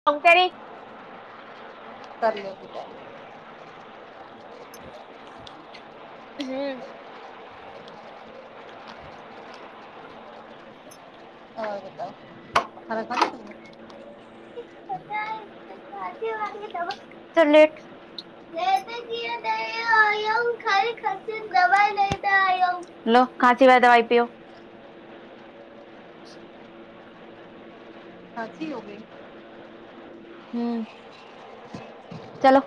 [unintelligible] [unintelligible] ہوں [unintelligible] [unintelligible] [unintelligible] ہلو کھاسی کا دوائی پیو سچی ہو گئی ہوں چلو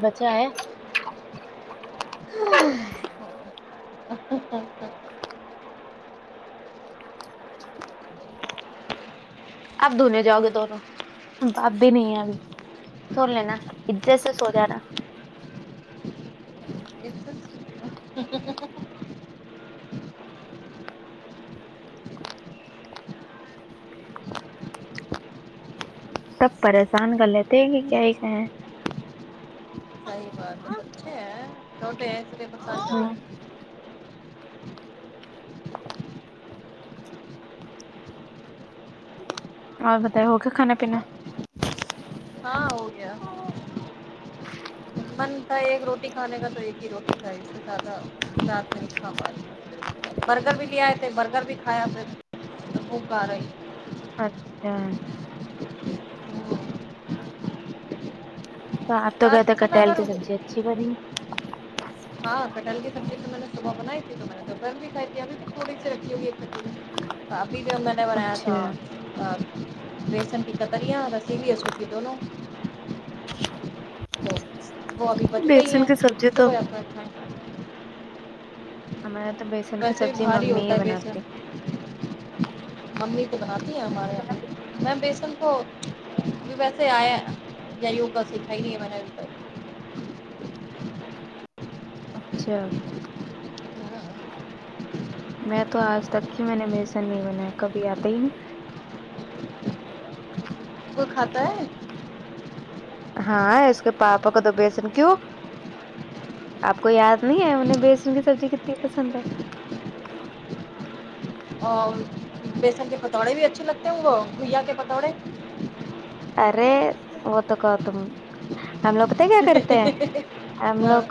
بچہ ہے اچھا اچھا اچھا اپ دھونے جاؤ گے دونوں اپ بھی نہیں ہیں ابھی سو لینا اججت سے سوجانا [inaudible] سب پریشان کر لیتے ہیں کہ کیا ہی کہ ہیں ہاں [inaudible] اور بتائی ہوگیا کھانا پینا ہاں ہو گیا مند ایک روٹی کھانے کا تو ایک ہی روٹی تھا اس سے زیادہ رات میں برگر بھی لے آئے تھے برگر بھی کھایا پھر وہ کا رہے ہاں تو آپ تو گئے رات تو کے سمے کٹل اگر کی سبزی اچھی بنی گ ہاں کٹل کی سبزی تو میں نے صبح بنائی تھی تو میں نے گپر میں بھی کھائی تھی ابھی تھوڑی سی رکھی ہوئی ہے کٹوری س ابھی جو میں نے بنایا اچھا تھا [inaudible] تو وہ ابھی بچ گئی بیسن ہیں کی سبزی اس تو [unintelligible] ویسے بھی بھاری ممی ہی ہوتا ہے بناتی بیسن ممی تو بناتی ہیں ہمارے یہاں میں بیسن کو یہ ویسے آئے یا یوگا سیکھا ہی نہیں ہے میں نے اچھا میں تو آج تک ہی میں نے بیسن نہیں بنایا کبھی آتا ہی نہیں کوئی کھاتا ہے ہاں اس کے پاپا کا تو بیسن کیوں آپ کو یاد نہیں ہے انہیں بیسن کی سبزی کتتی پسند ہے اور بیسن کے پتوڑے بھی اچھے لگتے ہیں بھیا کے پتوڑے ارے وو تو کہو تم ہم لوگ پتہ ہے کیا کرتے ہیں ہم لوگ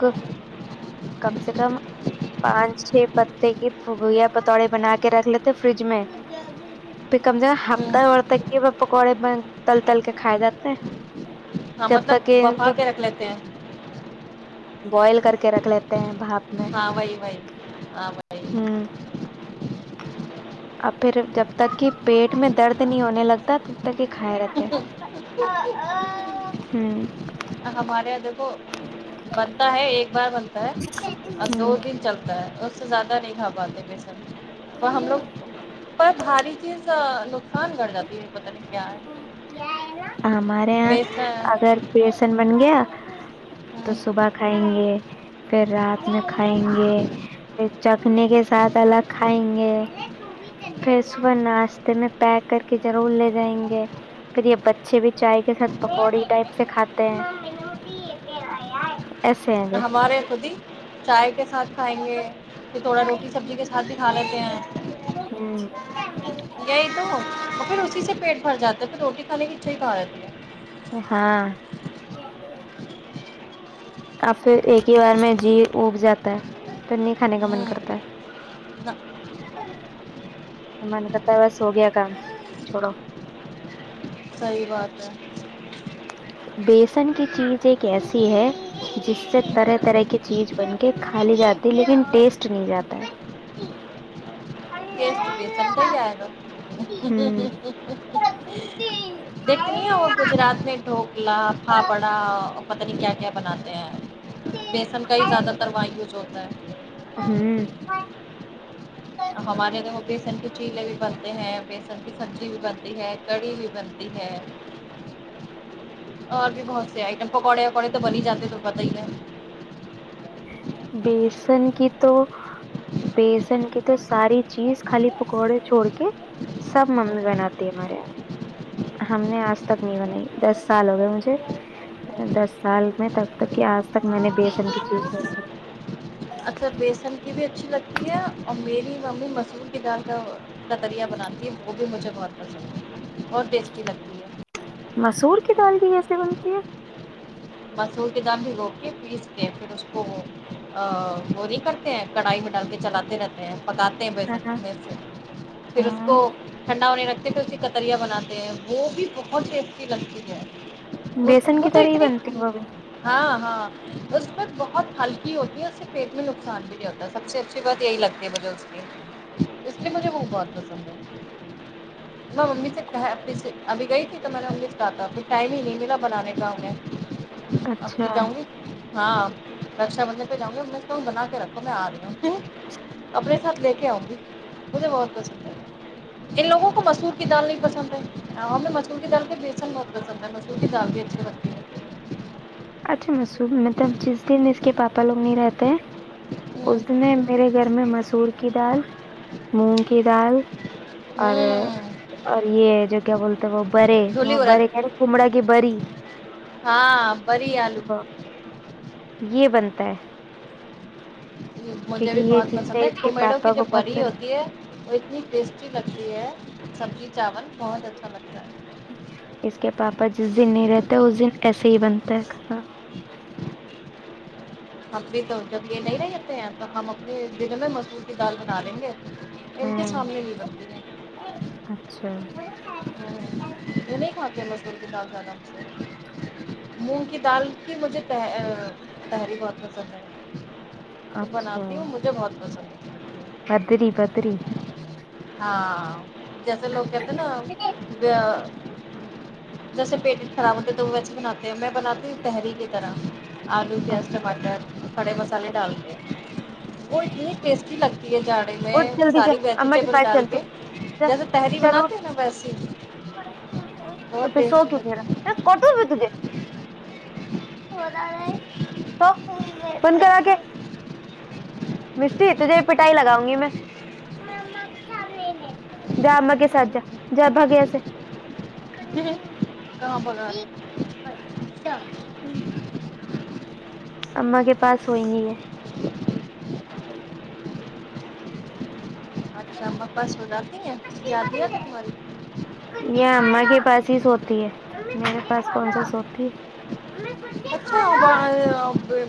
کم سے کم پانچ چھ پتے کے پھگویا پتوڑے بنا کے رکھ لیتے فریج میں پھر ہفتہ بھر تک کے پکوڑے بن تل تل کے کھائے جاتے ہیں ہاں جب مطلب تک کہ ان بفا کے رکھ لیتے ہیں بوائل کر کے رکھ لیتے ہیں بھپ ہاں بوہی وہی ہاں و ہمم ا پھر جب تک کہ پیٹ میں درد نہیں ہونے لگتا تب تک ہی کھائے رہتے ہوں [unintelligible] بنتا ہے ایک بار بنتا ہے اور دو ہوں دن چلتا ہے زیادہ نہیں کھا پاتے پیسے ہم لوگ پر بھاری چیز نک سان بڑھجاتی ہے پتا نہیں کیا ہے ہمارے یہاں بیسن اگر بیسن بن گیا تو صبح کھائیں گے پھر رات میں کھائیں گے پھر چکھنے کے ساتھ الگ کھائیں گے پھر صبح ناشتے میں پیک کر کے ضرور ل جائیں گے پھر یہ بچے بھی چائے کے ساتھ پکوڑی ٹائپ سے کاتے ہیں [unintelligible] ہمارے خود ہی چائے کے ساتھ کھائیں گے پ تھوڑا روٹی سبزی کے ساتھ بھی کھا لیتے ہیں ہمم تو پھر اسی سے پیٹ بھر جاتا ہے پھر روٹی کھالیکے [unintelligible] ہاں اب پھر ایک ہی بار میں جی اٹھ جاتا ہے پھر نہیں کھانے کا من کرتا ہے [inaudible] من کرتا ہے بس ہو گیا کام چھوڑو صحیح بات ہے بیسن کی چیز ایک ایسی ہے جس سے طرح طرح کی چیز بن کے کھا لی جاتی لیکن ٹیسٹ نہیں جاتا ہے ٹیسٹ بیسن کا ہی ائے گا ہوں دیکھنی ہے وہ گجرات میں ٹوکلا پاپڑا اور پتہ نہیں کیا کیا بناتے ہیں بیسن کا ہی زیادہ تر وایوس ہوتا ہے ہمم ہمارے یہ تو وہ بیسن کے چیلے بھی بنتے ہیں بیسن کی سبزی بھی بنتی ہے کڑھی بھی بنتی ہے اور بھی بہت سے آئٹم پکوڑے وکوڑے تو بن ہی جاتے تو پت ہی ہے بیسن کی تو بیسن کی تو ساری چیز خالی پکوڑے چھوڑ کے سب ممی بناتی ہے ہمارے یہاں ہم نے آج تک نہیں بنائی دس سال ہو گئے مجھے دس سال میں تب تک کہ آج تک میں نے بیسن کی چیز اکثر بیسن کی بھی اچھی لگتی ہے اور میری ممی مسور کی دال کا کتریا بناتی ہے وہ بھی مجھے بہت پسند ہے اور ٹیسٹی لگتی ہے مسور کی دال بھی کیسے بنتی ہے مسور کے دال بھی دھوکے پیسکے پھر اس کو گوری کر کڑائی میں ڈال کے چلاتے رہتے ہیں پکاتے ہیں ہے بیسن میں سے پھر اس کو ٹھنڈا ہونے رکھتے پھر اس کی کتریاں بناتے ہیں وہ بھی بہت ٹیسٹی لگتی ہے اس بیسن وہ کی تو طر ہی اتنی بنتی وہ ہاں ہاں اس پ بہت ہلکی ہوتی ہے اس سے پیٹ میں نقصان بھی تا سب سے اچھی بات یہی لگتی ہے مجھے اس کی اس لیے مجھے وہ بہت پسند ہے میں ممی سے کہ سے ابھی گئی تھی تو میں نے امی سے کہا تھا کہ ابھی ٹائم ہی نہیں ملا بنانے کا انہیں آب کی اچھا جاؤ گی ہاں رکشا بندھن پے جاؤں گی تو بنا کے رکھو میں آ رہی ہوں اپنے ساتھ لے کے آؤں گی مجھے بہت پسند ہے ان لوگوں کو مسور کی دال نہیں پسند ہے ہم نے مسور کی دال پے بیسن بہت پسند ہے مسور کی دال بھی اچھی لگ تی ہے اچھا مصوب مطلب جس دن اس کے پاپا لوگ نہیں رہتے اس ہوں دن میرے گھر میں مسور کی دال مونگ کی دال اور ہوں اور یے جو کیا بولتے ہیں وہ برے دھلی وہ ارد برے کمڑا کی بری ہاں بری آلو یے بنتا ہے مجھے کیونکہ بھی یہ بہت چیزیں پسند ہے اس کے کمیڑو کی پاپا جو کو بری پسند ہوتی ہے وہ اتنی ٹیسٹی لگتی ہے سبزی چاول بہت اچھا لگتا ہے اس کے پاپا جس دن نہیں رہتا اس دن ایسے ہی بنتا ہے کھانا اب بھی تو جب یے نہیں رہتے ہیں تو ہم اپنے دن میں مسور کی دال بنا دیں گے ان کے ہوں سامنے نہیں بنتی اچھا یے نہیں کھاتے مسور کی دال زیادہ مونگ کی دال کی مجھے تہے تہاری بہت پسند ہے تو بناتی ہوں مجھے بہت پسند ہے پدری پتری ہاں جیسے لوگ کہتے نا جیسے پیٹ خراب ہوتے ہے تو وہ ویسے بناتے ہیں میں بناتی ہوں تحری کی طرح آلو پیاز اچھا ٹماٹر کھڑے مسالے ڈلکے وہ اتنی ٹیسٹی لگتی ہے جا صحیح میں اٹھ جلدی جا ساری اما کے ویجیٹیبل پاس ڈال چل تو کے جا جیسے تحاری چل اٹھ بناتے ہیں نا ویسے تو پھر سو ٹیسٹی کیوں نہیں لگتی رہا ہے میں کاٹو گی تجھے تو بند کر انکھیں مسٹی تجھے پٹائی لگاؤں گی میں جا اماں کے ساتھ بھاگ یہاں سے کہاں بھگا رہے کیا اماں کے پاس ہوئیں گی یے اچھا اماں کے پاس سو جاتی ہے یاد نہیں آتی تماری یے اماں کے پاس ہی سوتی ہے میرے پاس کون سا سوتی ہے اچھا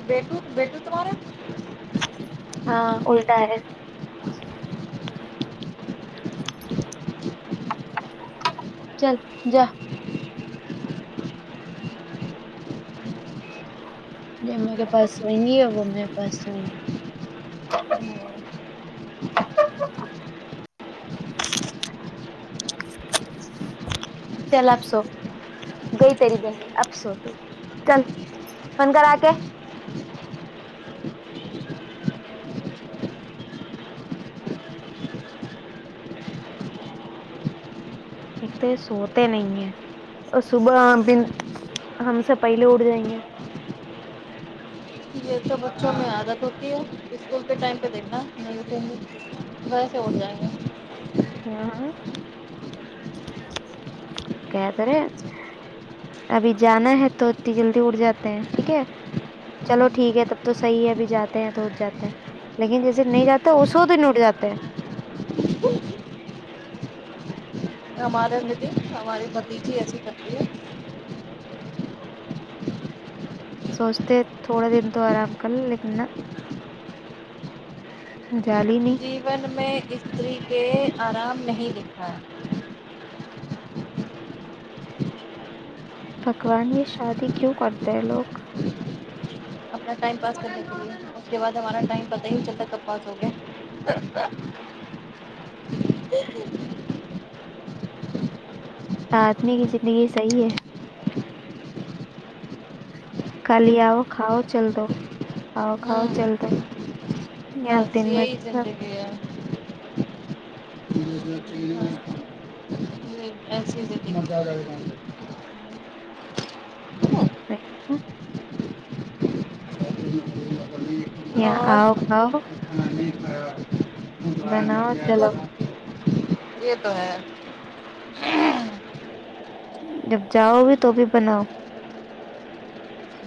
بیٹو بیٹو تمہارے ہاں اللٹا ہے چل جا جے اماں کے پاس سوئیں گی وہ میرے پاس سوئیں گی چل اب سو گئی تیری بہن اب سو تو چل بند کر آنکھے ایک تو یے سوتے نہیں ہیں اور صبح بھی ہم سے پہلے اٹھ جائیں گے یے سب بچوں میں عادت ہوتی ہے اسکول کے ٹائم پے دیکھنا نہیں اٹھینگے ویسے اٹھ جائیں گے ہاں ہاں کہے تو رہے ابھی جانا ہے تو اتنی جلدی اٹھ جاتے ہیں ٹھیک ہے چلو ٹھیک ہے تب تو صحیح ہے ابھی جاتے ہیں تو اٹھ جاتے ہیں لیکن جیسے نہیں جاتا اسی دن اٹھ جاتے ہیں ہمارے ہیں پہ بھی ہماری بھتیجی ایسی کرتی ہے سوچتے تھوڑے دن تو آرام کر لے لیکن نہ مجال ہی نہیں جیوان میں استری کے آرام نہیں لکھا بھگوان یہ شادی کیوں کرتے ہیں لوگ اپنا ٹائم پاس کرنے کے لیے اس کے بعد ہمارا ٹائم پتہ ہی نہیں چلتا کب پاس ہو گیا آدمی کی زندگی صحیح ہے کالی آؤ کھاؤ چل دو آؤ کھاؤ ہوں چل دو یہاں بس دن میں یہی زندگی ہے [unintelligible] یہاں آؤ کھاؤ بناؤ چلو اور یہ تو ہے جب جاؤ گے تو بھی بناؤ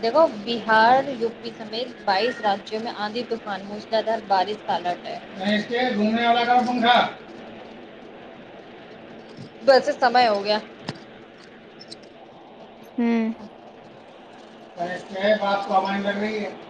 دیکھو بہار یو پی سمیت بائیس رجیوں میں آدندھی طوفان ادھر بارش کا الرٹ ہے ویسے سمے ہوگیا ہمم [unintelligible]